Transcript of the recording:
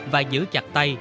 và giữ chặt tay